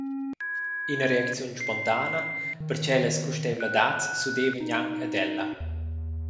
Ina reacziun spontana, pertgei las custeivladads s’udevan gnanc ad ella.